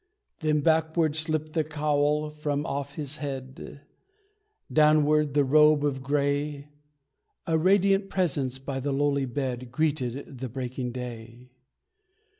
Then backward slipped the cowl from off his head, Downward the robe of grey; A radiant presence by the lowly bed Greeted the breaking day.